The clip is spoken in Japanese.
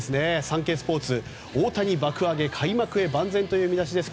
サンケイスポーツ、大谷爆アゲ開幕へ万全という見出しです。